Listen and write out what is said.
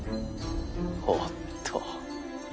おっと？